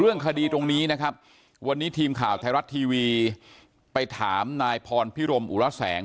เรื่องคดีตรงนี้นะครับวันนี้ทีมข่าวไทยรัฐทีวีไปถามนายพรพิรมอุระแสง